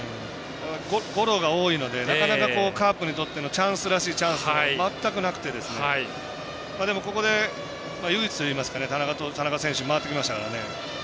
ゴロが多いのでなかなかカープにとってのチャンスらしいチャンスが全くなくてでも、ここで唯一といいますか田中選手に回ってきましたから。